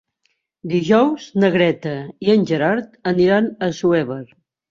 Dijous na Greta i en Gerard aniran a Assuévar.